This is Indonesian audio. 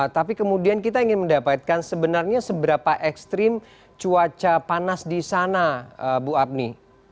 tapi kemudian kita ingin mendapatkan sebenarnya seberapa ekstrim cuaca panas di sana bu apni